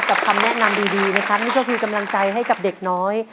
กับคำแนะนำดีนะคะนิทยาลัยภีร์กำลังใจให้กับเด็กน้อย